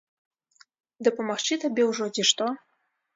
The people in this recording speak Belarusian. Дапамагчы табе ўжо, ці што?